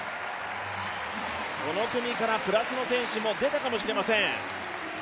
この組からプラスの選手も出たかもしれません。